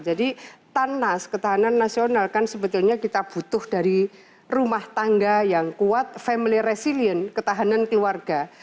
jadi tanas ketahanan nasional kan sebetulnya kita butuh dari rumah tangga yang kuat family resilient ketahanan keluarga